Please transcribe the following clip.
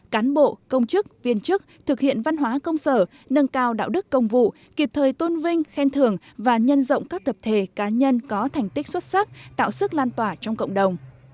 cán bộ công chức viên chức thực hiện văn hóa công sở nâng cao đạo đức công vụ kịp thời tôn vinh khen thưởng và nhân rộng các tập thể cá nhân có thành tích xuất sắc tạo sức lan tỏa trong cộng đồng